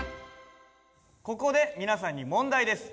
ここで皆さんに問題です。